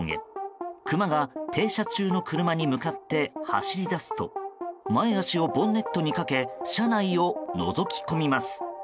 クマが停車中の車に向かって走りだすと前脚をボンネットにかけ車内をのぞき込みます。